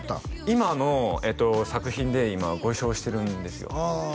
今の作品でご一緒してるんですよああ